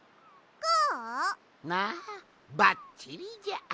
ああばっちりじゃ。